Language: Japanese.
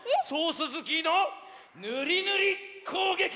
スキーのぬりぬりこうげき！